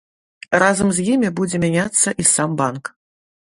Разам з імі будзе мяняцца і сам банк.